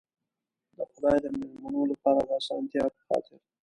د خدای د مېلمنو لپاره د آسانتیا په خاطر.